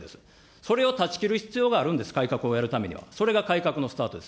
それを断ち切る必要があるんです、かいかくをやるためにはそれが改革のスタートです。